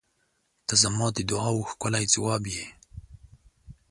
ته زما د دعاوو ښکلی ځواب یې.